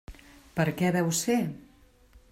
Per què deu ser?